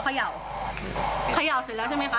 เขย่าเขย่าเสร็จแล้วใช่ไหมคะ